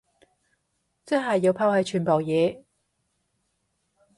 即係要拋棄全部嘢